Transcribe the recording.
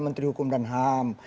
menteri hukum dan ham